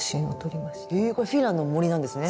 へえこれフィンランドの森なんですね。